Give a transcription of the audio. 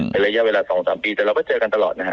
เป็นระยะเวลา๒๓ปีแต่เราก็เจอกันตลอดนะฮะ